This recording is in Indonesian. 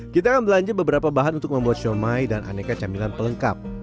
kita akan belanja beberapa bahan untuk membuat siomay dan aneka camilan pelengkap